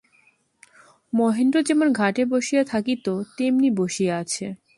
মহেন্দ্র যেমন ঘাটে বসিয়া থাকিত, তেমনি বসিয়া আছে।